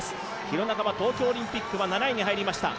廣中は東京オリンピックは７位に入りました。